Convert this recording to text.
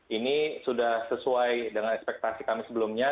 ini sudah sesuai dengan ekspektasi kami sebelumnya